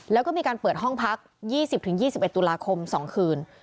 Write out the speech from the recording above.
แล้วก็มีการเปิดห้องพัก๒๐๒๑ตุลาคม๒คืน